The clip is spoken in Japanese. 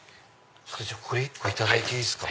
これ１個いただいていいですか。